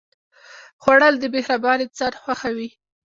خوړل د مهربان انسان خوښه وي